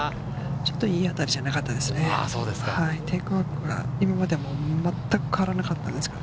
ちょっといい当たりじゃなかそうですか。